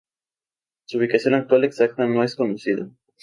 Su ubicación actual exacta no es conocida.